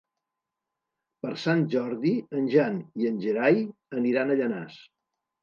Per Sant Jordi en Jan i en Gerai aniran a Llanars.